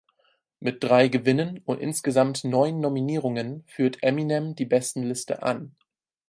Mit drei Gewinnen und insgesamt neun Nominierungen führt Eminem die Bestenliste an.